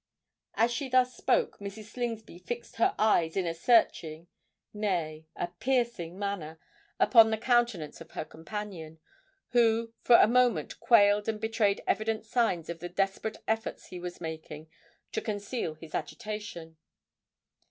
As she thus spoke, Mrs. Slingsby fixed her eyes in a searching—nay, a piercing manner upon the countenance of her companion, who for a moment quailed and betrayed evident signs of the desperate efforts he was making to conceal his agitation.